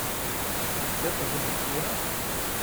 Ein Zirkus ohne Tiere?